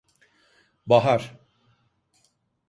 Bahar…